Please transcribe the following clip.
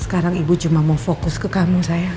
sekarang ibu cuma mau fokus ke kamu saya